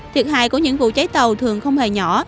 thiệt hại của những vụ cháy tàu thường không hề nhỏ